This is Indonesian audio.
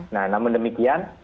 nah namun demikian